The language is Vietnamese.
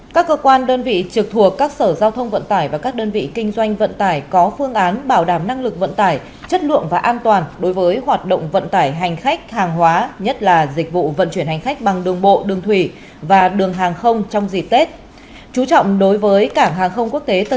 các cơ quan đơn vị trực thuộc các sở giao thông vận tải và các đơn vị kinh doanh vận tải có phương án bảo đảm năng lực vận tải chất lượng và an toàn đối với hoạt động vận tải hành khách hàng hóa nhất là dịch vụ vận chuyển hành khách bằng đường bộ đường thủy và đường hàng không trong dịp tết